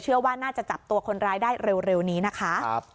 ว่าน่าจะจับตัวคนร้ายได้เร็วนี้นะคะ